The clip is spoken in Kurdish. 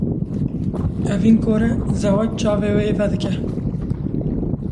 Evîn kor e zewac çavê wê vedike.